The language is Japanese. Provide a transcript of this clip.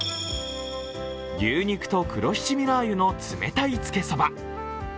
牛肉と黒七味辣油の冷たいつけ蕎麦。